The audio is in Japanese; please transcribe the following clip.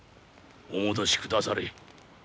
お戻しくだされ。